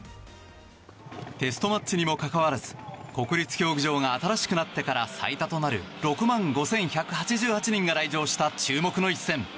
テストマッチにもかかわらず国立競技場が新しくなってから最多となる６万５１８８人が来場した注目の一戦。